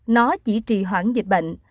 nó chỉ trì hoãn dịch bệnh